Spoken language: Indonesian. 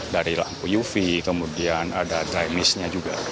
dari lampu uv kemudian ada dry miss nya juga